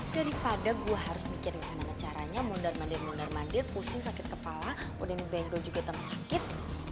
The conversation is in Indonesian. daripada gue harus mikirin gimana caranya mundar mandir mundar mandir pusing sakit kepala udah ngebengkel juga tetep sakit